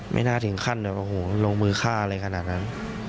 ไม่น่าถึงขั้นแบบโอ้โหลงมือฆ่าอะไรขนาดนั้น